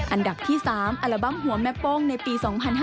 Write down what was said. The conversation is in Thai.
อันดับที่๓อัลบั้มหัวแม่โป้งในปี๒๕๕๙